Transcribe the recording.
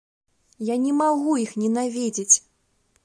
Я не магу іх ненавідзець!